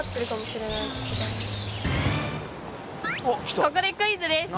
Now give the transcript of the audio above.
ここでクイズです。